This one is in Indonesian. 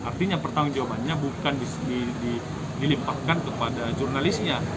artinya pertanggung jawabannya bukan dilimpahkan kepada jurnalisnya